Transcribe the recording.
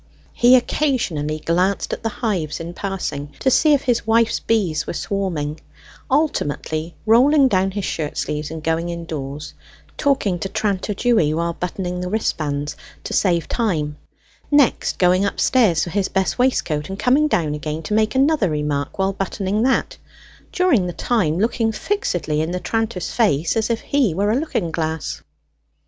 He occasionally glanced at the hives in passing, to see if his wife's bees were swarming, ultimately rolling down his shirt sleeves and going indoors, talking to tranter Dewy whilst buttoning the wristbands, to save time; next going upstairs for his best waistcoat, and coming down again to make another remark whilst buttoning that, during the time looking fixedly in the tranter's face as if he were a looking glass.